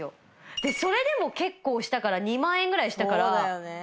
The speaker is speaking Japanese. でそれでも結構したから２万円ぐらいしたから。